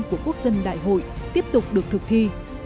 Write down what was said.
của quốc dân đại hội tiếp tục được thực thi